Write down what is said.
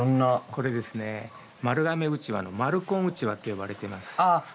これですね丸亀うちわの丸金うちわって呼ばれています。